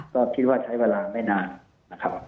ก็คิดว่าใช้เวลาไม่นานนะครับ